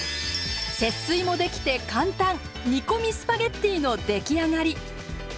節水もできて簡単煮込みスパゲッティの出来上がり。